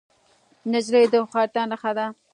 نجلۍ د هوښیارتیا نښه ده.